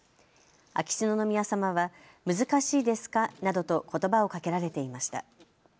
秋篠宮さまは難しいですかなどとことばをかけられていました。